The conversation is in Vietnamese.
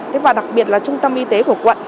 thế và đặc biệt là trung tâm y tế của quận